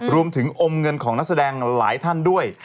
รวมถึงอมเงินของนักแสดงหลายท่านด้วย